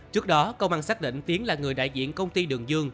trước đó công an xác định tiến là người đại diện công ty đường dương